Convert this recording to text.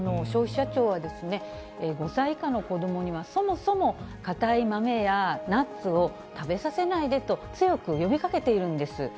消費者庁は、５歳以下の子どもにはそもそも硬い豆やナッツを食べさせないでと強く呼びかけているんです。